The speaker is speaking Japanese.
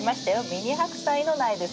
ミニハクサイの苗です。